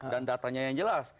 dan datanya yang jelas